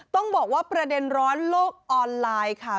ต้องบอกว่าประเด็นร้อนโลกออนไลน์ค่ะ